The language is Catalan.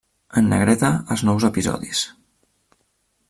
En negreta els nous episodis.